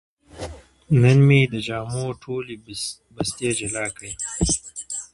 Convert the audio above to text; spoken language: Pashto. نن مې د جامو ټولې بستې جلا کړې.